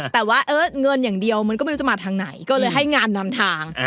แต่ว่าเงินอย่างเดียวมันก็ไม่รู้จะมาทางไหนก็เลยให้งานนำทาง